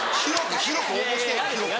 広く応募してよ広く。